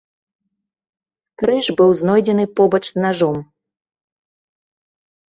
Крыж быў знойдзены побач з нажом.